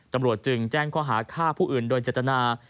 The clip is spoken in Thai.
ตำรวจจึงแจ้งข้อหาฆ่าผู้อื่นโดยเจตนา